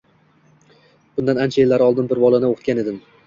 Bundan ancha yillar oldin bir bolani oʻqitgan edim.